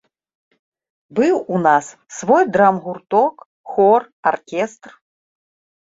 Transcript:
Быў у нас свой драмгурток, хор, аркестр.